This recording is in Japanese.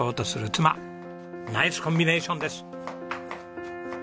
ナイスコンビネーションです。